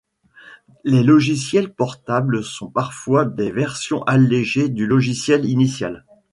Les logiciels portables sont parfois des versions allégées du logiciel initial.